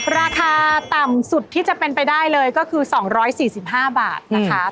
ราคาต่ำสุดที่จะเป็นไปได้เลยก็คือ๒๔๕บาทนะคะ